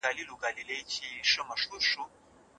ایا ته په خپل ځان کي علمي صفتونه وینې؟